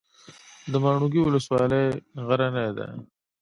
د ماڼوګي ولسوالۍ غرنۍ ده